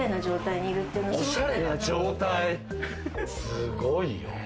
すごいよ！